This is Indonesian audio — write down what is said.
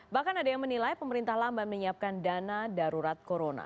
bahkan ada yang menilai pemerintah lamban menyiapkan dana darurat corona